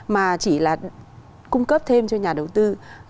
mà chỉ là cung cấp thêm cho nhà đầu tư